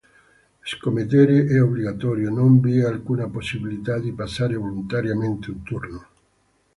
Scommettere è obbligatorio, non vi è alcuna possibilità di passare volontariamente un turno.